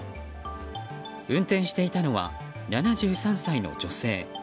運転していたのは７３歳の女性。